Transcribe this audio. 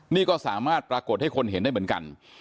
นี่ก็สามารถปรากฏให้คนเห็นได้เหมือนกัน